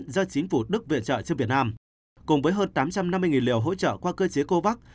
do chính phủ đức viện trợ cho việt nam cùng với hơn tám trăm năm mươi liều hỗ trợ qua cơ chế covax